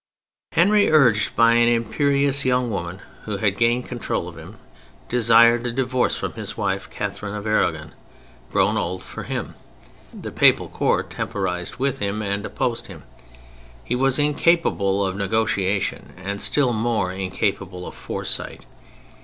Henry, urged by an imperious young woman, who had gained control of him, desired a divorce from his wife, Katherine of Aragon, grown old for him. The Papal Court temporized with him and opposed him. He was incapable of negotiation and still more incapable of foresight.